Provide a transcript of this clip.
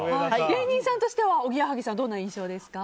芸人さんとしてはおぎやはぎさんどんな印象ですか？